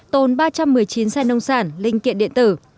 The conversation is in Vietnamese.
tồn ba trăm một mươi chín xe nông sản linh kiện điện tử